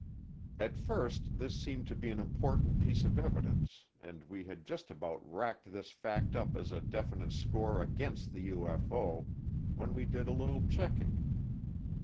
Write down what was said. At first this seemed to be an important piece of evidence and we had just about racked this fact up as a definite score against the UFO when we did a little checking.